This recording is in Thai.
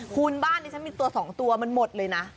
คุณบ้านนี้ฉันมีตัว๒ตัวมันหมดเลยนะ